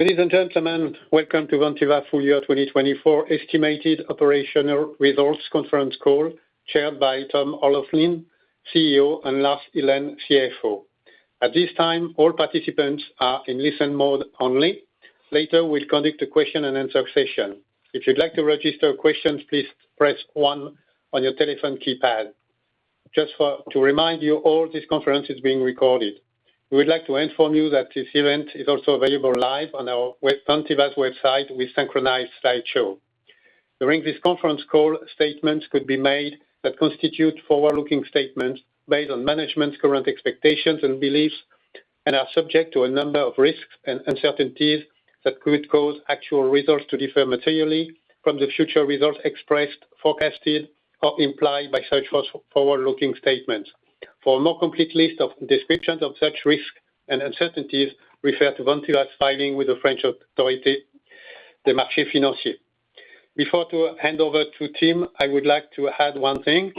Ladies and gentlemen, welcome to Vantiva Full Year 2024 Estimated Operational Results Conference Call, chaired by Tim O'Loughlin, CEO, and Lars Ihlen, CFO. At this time, all participants are in listen mode only. Later, we'll conduct a question and answer session. If you'd like to register questions, please press one on your telephone keypad. Just to remind you, this conference is being recorded. We would like to inform you that this event is also available live on our Vantiva website with a synchronized slideshow. During this conference call, statements could be made that constitute forward-looking statements based on management's current expectations and beliefs and are subject to a number of risks and uncertainties that could cause actual results to differ materially from the future results expressed, forecasted, or implied by such forward-looking statements. For a more complete list of descriptions of such risks and uncertainties, refer to Vantiva's filing with the French authority, the Autorité des marchés financiers. Before I hand over to Tim, I would like to add one thing.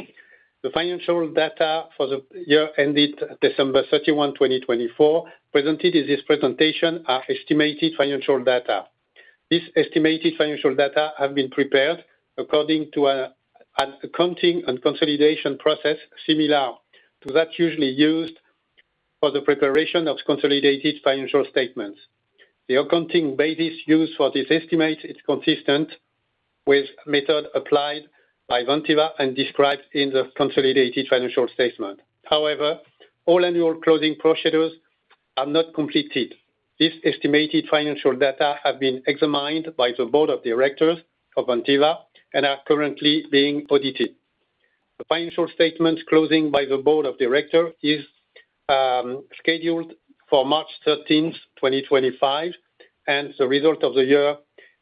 The financial data for the year ended December 31, 2024, presented in this presentation are estimated financial data. These estimated financial data have been prepared according to an accounting and consolidation process similar to that usually used for the preparation of consolidated financial statements. The accounting basis used for this estimate is consistent with the method applied by Vantiva and described in the consolidated financial statement. However, all annual closing procedures are not completed. These estimated financial data have been examined by the Board of Directors of Vantiva and are currently being audited. The financial statements closing by the Board of Directors is scheduled for March 13, 2025, and the result of the year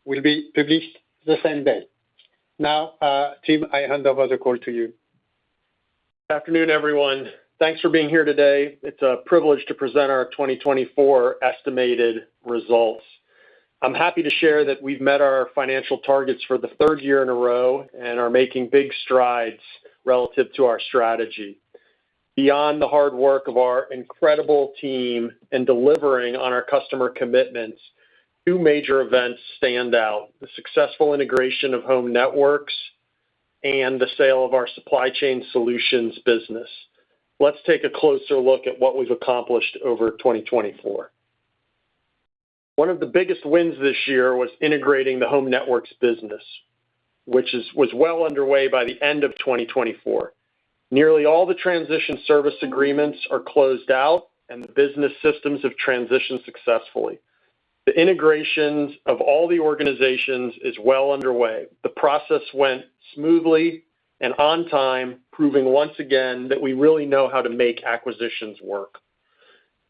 will be published the same day. Now, Tim, I hand over the call to you. Good afternoon, everyone. Thanks for being here today. It's a privilege to present our 2024 estimated results. I'm happy to share that we've met our financial targets for the third year in a row and are making big strides relative to our strategy. Beyond the hard work of our incredible team in delivering on our customer commitments, two major events stand out: the successful integration of Home Networks and the sale of our Supply Chain Solutions business. Let's take a closer look at what we've accomplished over 2024. One of the biggest wins this year was integrating the Home Networks business, which was well underway by the end of 2024. Nearly all the transition service agreements are closed out, and the business systems have transitioned successfully. The integration of all the organizations is well underway. The process went smoothly and on time, proving once again that we really know how to make acquisitions work.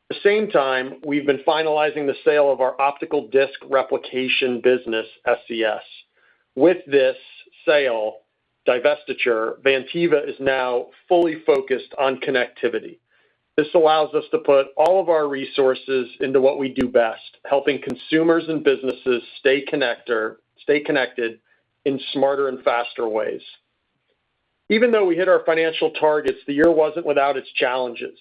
At the same time, we've been finalizing the sale of our optical disc replication business, SCS. With this sale, divestiture, Vantiva is now fully focused on connectivity. This allows us to put all of our resources into what we do best, helping consumers and businesses stay connected in smarter and faster ways. Even though we hit our financial targets, the year was not without its challenges.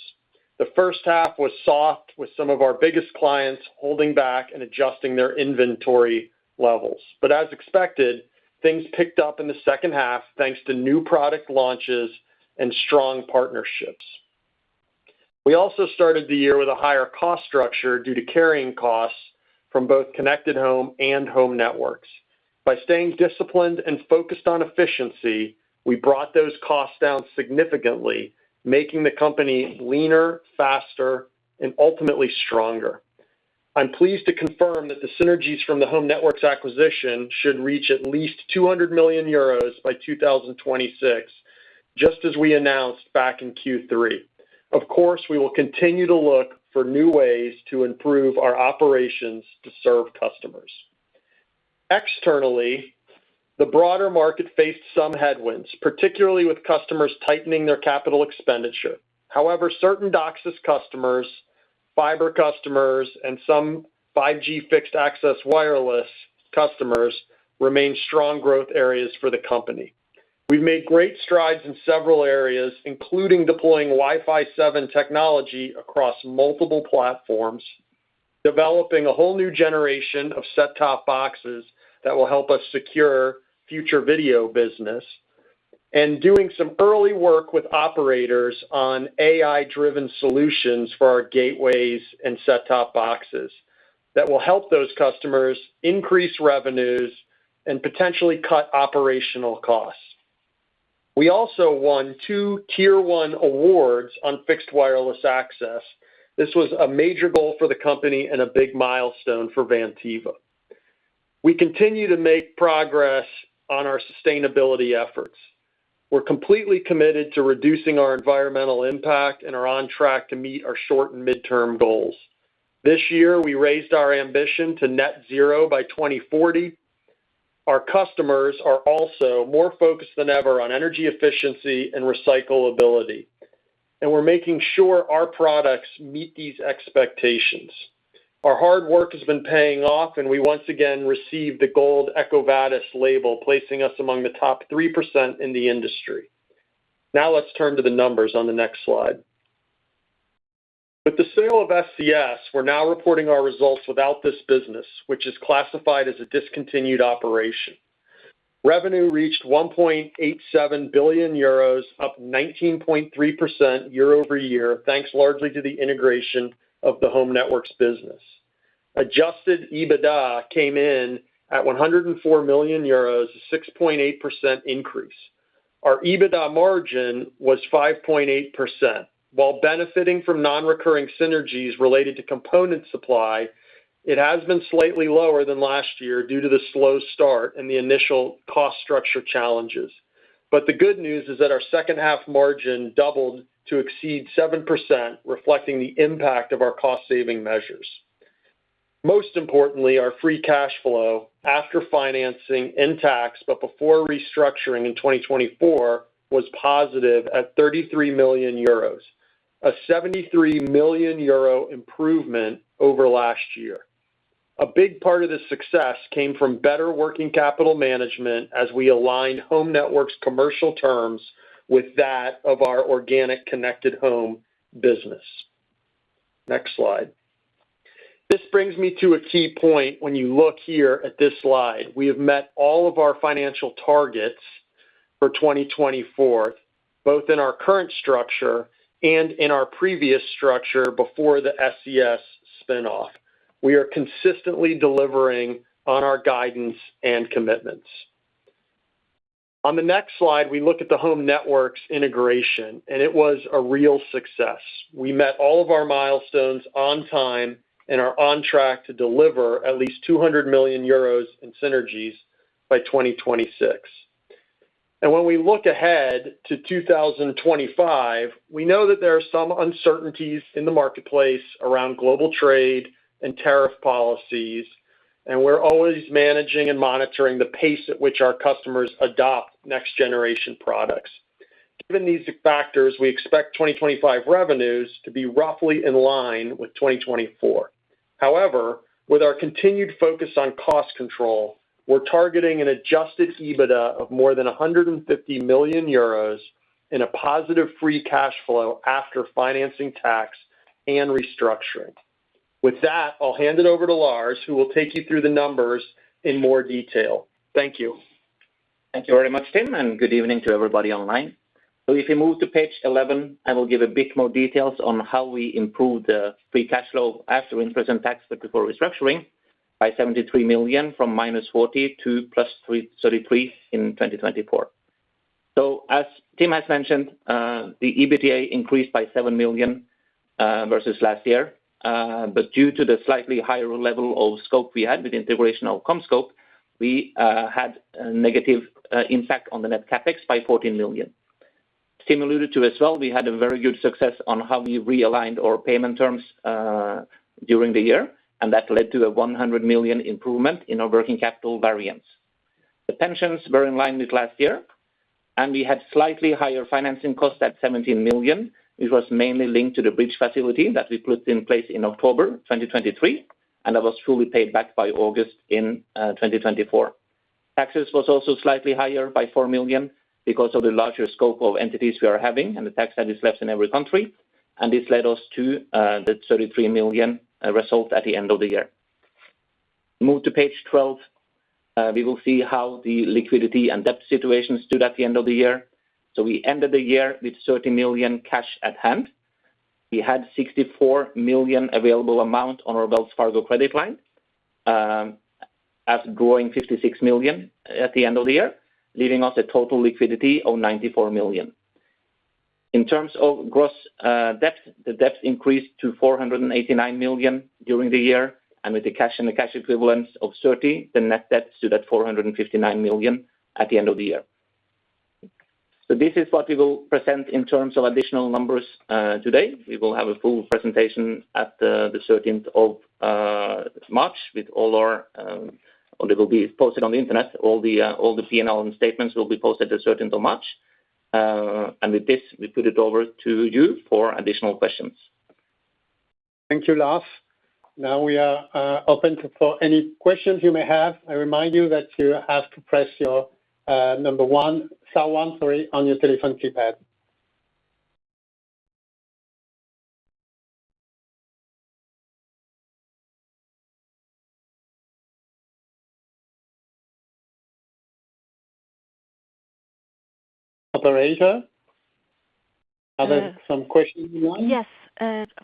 The first half was soft, with some of our biggest clients holding back and adjusting their inventory levels. As expected, things picked up in the second half thanks to new product launches and strong partnerships. We also started the year with a higher cost structure due to carrying costs from both Connected Home and Home Networks. By staying disciplined and focused on efficiency, we brought those costs down significantly, making the company leaner, faster, and ultimately stronger. I'm pleased to confirm that the synergies from the Home Networks acquisition should reach at least 200 million euros by 2026, just as we announced back in Q3. Of course, we will continue to look for new ways to improve our operations to serve customers. Externally, the broader market faced some headwinds, particularly with customers tightening their capital expenditure. However, certain DOCSIS customers, fiber customers, and some 5G fixed access wireless customers remain strong growth areas for the company. We've made great strides in several areas, including deploying Wi-Fi 7 technology across multiple platforms, developing a whole new generation of set-top boxes that will help us secure future video business, and doing some early work with operators on AI-driven solutions for our gateways and set-top boxes that will help those customers increase revenues and potentially cut operational costs. We also won two Tier 1 awards on fixed wireless access. This was a major goal for the company and a big milestone for Vantiva. We continue to make progress on our sustainability efforts. We're completely committed to reducing our environmental impact and are on track to meet our short and midterm goals. This year, we raised our ambition to net zero by 2040. Our customers are also more focused than ever on energy efficiency and recyclability, and we're making sure our products meet these expectations. Our hard work has been paying off, and we once again received the Gold EcoVadis label, placing us among the top 3% in the industry. Now let's turn to the numbers on the next slide. With the sale of SCS, we're now reporting our results without this business, which is classified as a discontinued operation. Revenue reached 1.87 billion euros, up 19.3% year-over-year, thanks largely to the integration of the Home Networks business. Adjusted EBITDA came in at 104 million euros, a 6.8% increase. Our EBITDA margin was 5.8%. While benefiting from non-recurring synergies related to component supply, it has been slightly lower than last year due to the slow start and the initial cost structure challenges. The good news is that our second-half margin doubled to exceed 7%, reflecting the impact of our cost-saving measures. Most importantly, our free cash flow after financing and tax but before restructuring in 2024 was positive at 33 million euros, a 73 million euro improvement over last year. A big part of this success came from better working capital management as we aligned Home Networks commercial terms with that of our organic Connected Home business. Next slide. This brings me to a key point. When you look here at this slide, we have met all of our financial targets for 2024, both in our current structure and in our previous structure before the SCS spinoff. We are consistently delivering on our guidance and commitments. On the next slide, we look at the Home Networks integration, and it was a real success. We met all of our milestones on time and are on track to deliver at least 200 million euros in synergies by 2026. When we look ahead to 2025, we know that there are some uncertainties in the marketplace around global trade and tariff policies, and we're always managing and monitoring the pace at which our customers adopt next-generation products. Given these factors, we expect 2025 revenues to be roughly in line with 2024. However, with our continued focus on cost control, we're targeting an Adjusted EBITDA of more than 150 million euros and a positive free cash flow after financing, tax, and restructuring. With that, I'll hand it over to Lars, who will take you through the numbers in more detail. Thank you. Thank you very much, Tim, and good evening to everybody online. If you move to page 11, I will give a bit more details on how we improved the free cash flow after interest and tax before restructuring by 73 million from -40 to +33 in 2024. As Tim has mentioned, the EBITDA increased by 7 million versus last year, but due to the slightly higher level of scope we had with integration of CommScope, we had a negative impact on the net CapEx by 14 million. Similarly, we had a very good success on how we realigned our payment terms during the year, and that led to a 100 million improvement in our working capital variance. The pensions were in line with last year, and we had slightly higher financing costs at 17 million, which was mainly linked to the bridge facility that we put in place in October 2023, and that was fully paid back by August in 2024. Taxes were also slightly higher by 4 million because of the larger scope of entities we are having and the tax that is levied in every country, and this led us to the 33 million result at the end of the year. Move to page 12, we will see how the liquidity and debt situation stood at the end of the year. We ended the year with 30 million cash at hand. We had 64 million available amount on our Wells Fargo credit line as growing 56 million at the end of the year, leaving us a total liquidity of 94 million. In terms of gross debt, the debt increased to 489 million during the year, and with the cash and the cash equivalents of 30 million, the net debt stood at 459 million at the end of the year. This is what we will present in terms of additional numbers today. We will have a full presentation at the 13th of March with all our, it will be posted on the internet. All the P&L and statements will be posted the 13th of March. With this, we put it over to you for additional questions. Thank you, Lars. Now we are open for any questions you may have. I remind you that you have to press your number one, star one, sorry, on your telephone keypad. Operator? Are there some questions you want? Yes.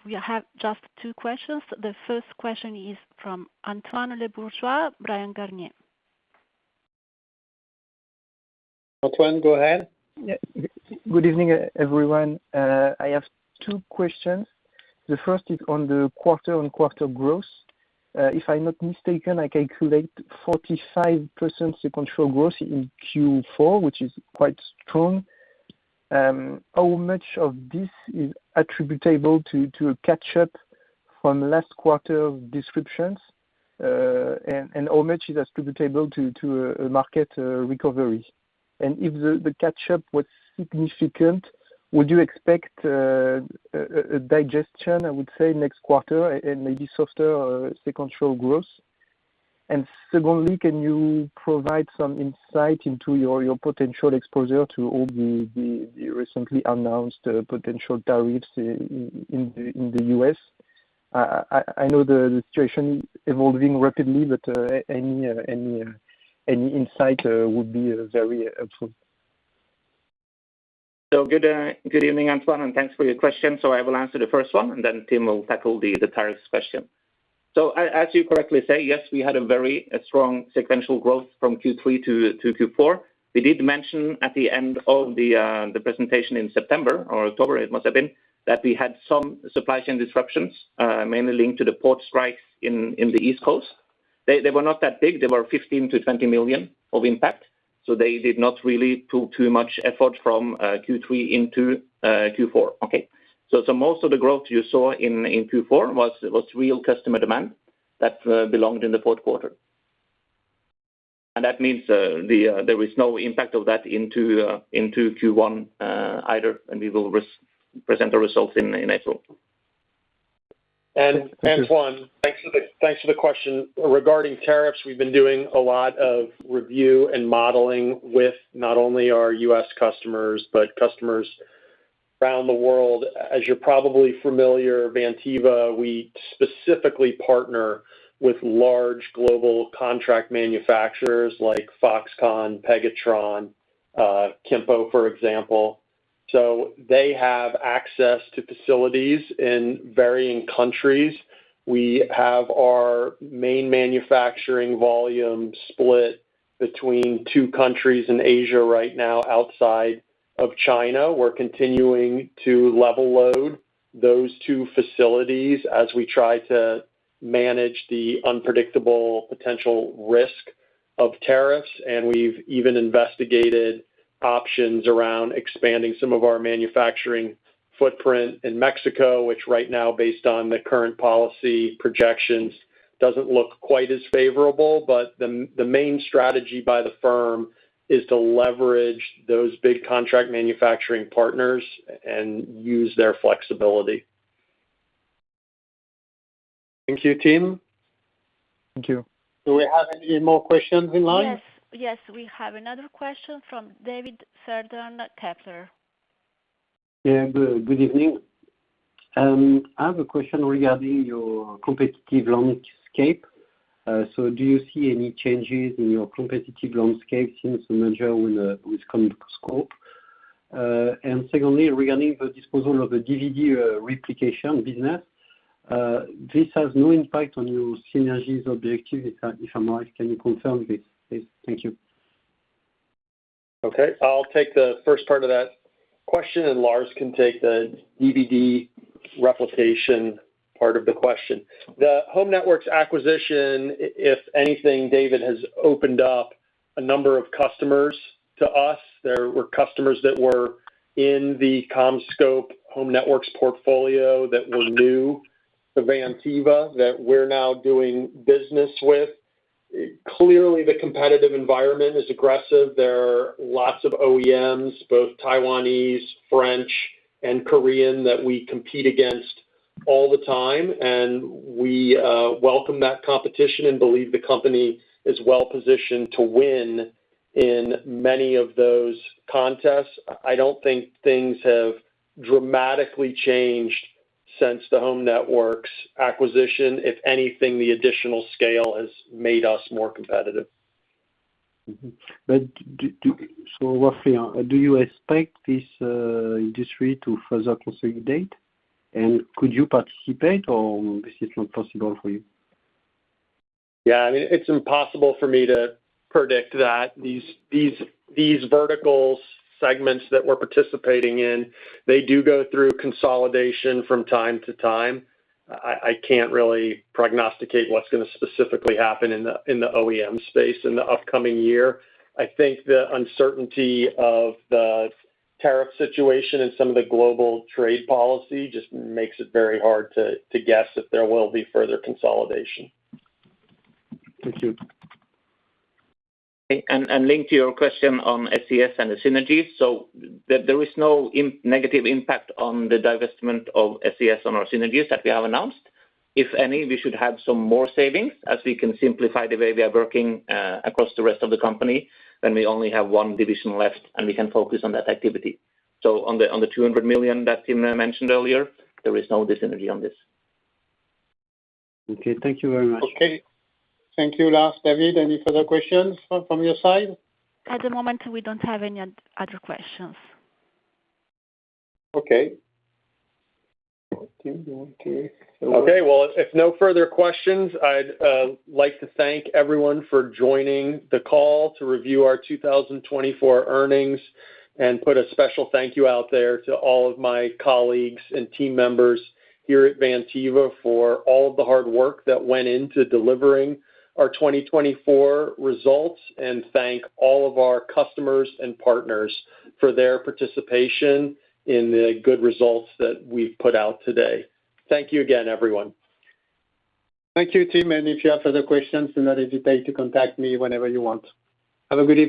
We have just two questions. The first question is from Antoine Lebourgeois, Bryan, Garnier. Antoine, go ahead. Good evening, everyone. I have two questions. The first is on the quarter-on-quarter growth. If I'm not mistaken, I calculate 45% sequential growth in Q4, which is quite strong. How much of this is attributable to a catch-up from last quarter's descriptions? How much is attributable to a market recovery? If the catch-up was significant, would you expect a digestion, I would say, next quarter and maybe softer sequential growth? Secondly, can you provide some insight into your potential exposure to the recently announced potential tariffs in the U.S.? I know the situation is evolving rapidly, but any insight would be very helpful. Good evening, Antoine, and thanks for your question. I will answer the first one, and then Tim will tackle the tariffs question. As you correctly say, yes, we had a very strong sequential growth from Q3 to Q4. We did mention at the end of the presentation in September or October, it must have been, that we had some supply chain disruptions, mainly linked to the port strikes in the East Coast. They were not that big. They were 15 million-20 million of impact. They did not really pull too much effort from Q3 into Q4. Most of the growth you saw in Q4 was real customer demand that belonged in the fourth quarter. That means there is no impact of that into Q1 either, and we will present the results in April. Antoine, thanks for the question. Regarding tariffs, we've been doing a lot of review and modeling with not only our U.S. customers but customers around the world. As you're probably familiar, Vantiva, we specifically partner with large global contract manufacturers like Foxconn, Pegatron, Kinpo, for example. They have access to facilities in varying countries. We have our main manufacturing volume split between two countries in Asia right now outside of China. We're continuing to level load those two facilities as we try to manage the unpredictable potential risk of tariffs. We've even investigated options around expanding some of our manufacturing footprint in Mexico, which right now, based on the current policy projections, does not look quite as favorable. The main strategy by the firm is to leverage those big contract manufacturing partners and use their flexibility. Thank you, Tim. Thank you. Do we have any more questions in line? Yes. Yes. We have another question from David Cerdan, Kepler. Good evening. I have a question regarding your competitive landscape. Do you see any changes in your competitive landscape since the merger with CommScope? Secondly, regarding the disposal of the DVD replication business, this has no impact on your synergies objective, if I'm right, can you confirm this? Thank you. Okay. I'll take the first part of that question, and Lars can take the DVD replication part of the question. The Home Networks acquisition, if anything, David, has opened up a number of customers to us. There were customers that were in the CommScope Home Networks portfolio that were new to Vantiva that we're now doing business with. Clearly, the competitive environment is aggressive. There are lots of OEMs, both Taiwanese, French, and Korean, that we compete against all the time. We welcome that competition and believe the company is well-positioned to win in many of those contests. I don't think things have dramatically changed since the Home Networks acquisition. If anything, the additional scale has made us more competitive. Roughly, do you expect this industry to further consolidate? And could you participate, or this is not possible for you? Yeah. I mean, it's impossible for me to predict that. These vertical segments that we're participating in, they do go through consolidation from time to time. I can't really prognosticate what's going to specifically happen in the OEM space in the upcoming year. I think the uncertainty of the tariff situation and some of the global trade policy just makes it very hard to guess if there will be further consolidation. Thank you. Linked to your question on SCS and the synergies, there is no negative impact on the divestment of SCS on our synergies that we have announced. If any, we should have some more savings as we can simplify the way we are working across the rest of the company when we only have one division left, and we can focus on that activity. On the 200 million that Tim mentioned earlier, there is no disinterview on this. Okay. Thank you very much. Okay. Thank you, Lars. David, any further questions from your side? At the moment, we don't have any other questions. Okay. Okay. If no further questions, I'd like to thank everyone for joining the call to review our 2024 earnings and put a special thank you out there to all of my colleagues and team members here at Vantiva for all of the hard work that went into delivering our 2024 results and thank all of our customers and partners for their participation in the good results that we've put out today. Thank you again, everyone. Thank you, Tim. If you have further questions, do not hesitate to contact me whenever you want. Have a good evening.